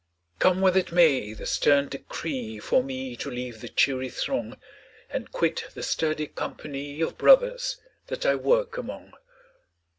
Come when it may, the stern decree For me to leave the cheery throng And quit the sturdy company Of brothers that I work among.